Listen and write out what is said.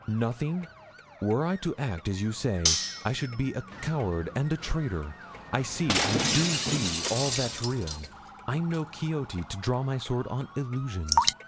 nothing. Were I to act as you say, I should be a coward and a traitor. I see, I do see, all that's real. I'm no Quixote, to draw my sword on illusions.'